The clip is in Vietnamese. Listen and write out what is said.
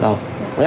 chồng tên gì